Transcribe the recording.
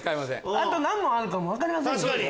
あと何問あるかも分かりませんから。